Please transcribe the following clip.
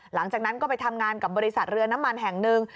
หลังจากนั้นก็ไปทำงานกับบริษัทเรือน้ำมันแห่งหนึ่ง